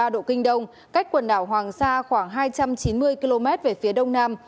một trăm một mươi bốn ba độ kinh đông cách quần đảo hoàng sa khoảng hai trăm chín mươi km về phía đông nam